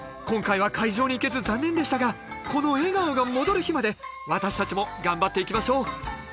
今回は会場に行けず残念でしたがこの笑顔が戻る日まで私たちも頑張っていきましょう